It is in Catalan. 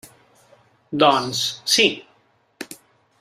Doncs, sí.